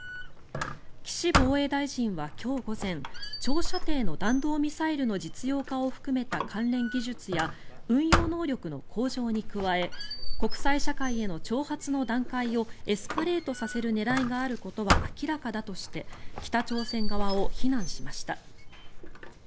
岸防衛大臣は今日午前長射程の弾道ミサイルの実用化を含めた関連技術や運用能力の向上に加え国際社会への挑発の段階をエスカレートさせる狙いがあることは明らかだとして北朝鮮側を非難しました。